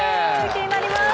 気になります！